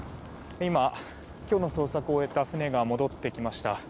今、今日の捜索を終えた船が戻ってきました。